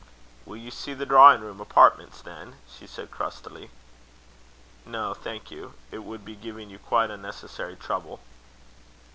"Will you see the drawing room apartments, then?" she said, crustily. "No, thank you. It would be giving you quite unnecessary trouble."